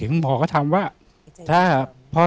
พี่น้องรู้ไหมว่าพ่อจะตายแล้วนะ